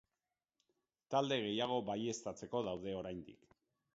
Talde gehiago baieztatzeko daude oraindik.